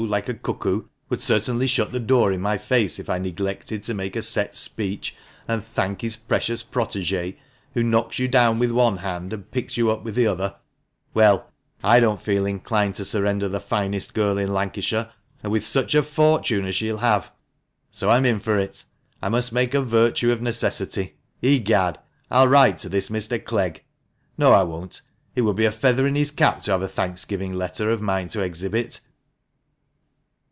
like a cuckoo, would certainly shut the door in my face if I neglected to make a set speech and thank his precious protege, who knocks you down with one hand and picks you up with the other. Well, I don't feel inclined to surrender the finest girl in Lancashire, and with such a THE MANCHESTER MAN. 293 fortune as she'll have, so I'm in for it. I must make a virtue of necessity. Egad ! I'll write to this Mr. Clegg. No, I won't. It would be a feather in his cap to have a thanksgiving letter of mine to exhibit."